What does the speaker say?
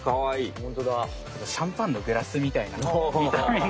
シャンパンのグラスみたいなみための。